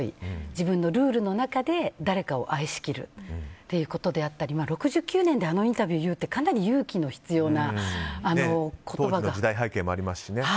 自分のルールの中で誰かを愛しきるということであったり６９年であのインタビューを言うって、かなり勇気の必要な当時の時代背景もありますし。